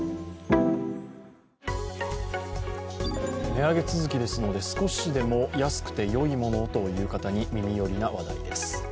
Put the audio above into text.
値上げ続きですので、少しでも安くてよいものをという方に耳寄りな話題です。